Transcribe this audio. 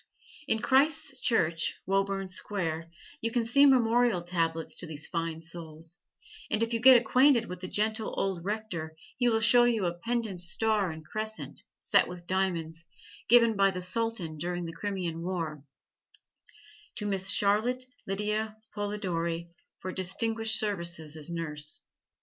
In Christ's Church, Woburn Square, you can see memorial tablets to these fine souls, and if you get acquainted with the gentle old rector he will show you a pendant star and crescent, set with diamonds, given by the Sultan during the Crimean war, "To Miss Charlotte Lydia Polidori for distinguished services as Nurse."